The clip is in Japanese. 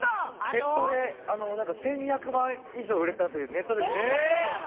ネットでなんか１２００枚以上売れたというネットで話題になったやつ。